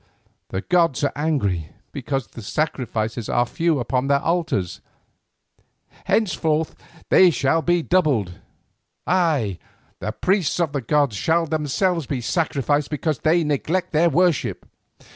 The gods are angry because the sacrifices are few upon their altars, henceforth they shall be doubled; ay, the priests of the gods shall themselves be sacrificed because they neglect their worship."